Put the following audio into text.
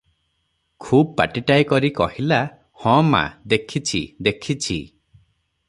ଖୁବ୍ ପାଟିଟାଏ କରି କହିଲା,"ହଁ ମା, ଦେଖିଛି, ଦେଖିଛି ।"